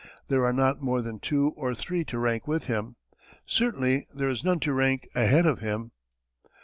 There are not more than two or three to rank with him certainly there is none to rank ahead of him.